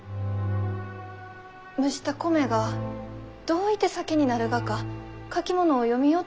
蒸した米がどういて酒になるがか書き物を読みよってもふに落ちません。